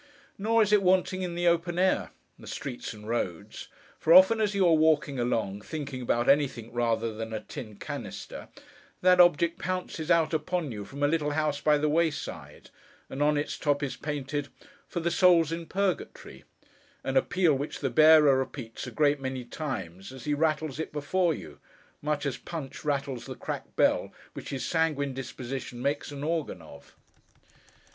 Nor, is it wanting in the open air—the streets and roads—for, often as you are walking along, thinking about anything rather than a tin canister, that object pounces out upon you from a little house by the wayside; and on its top is painted, 'For the Souls in Purgatory;' an appeal which the bearer repeats a great many times, as he rattles it before you, much as Punch rattles the cracked bell which his sanguine disposition makes an organ of.